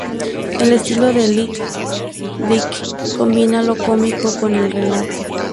El estilo de Lil Dicky combina lo cómico con el relato.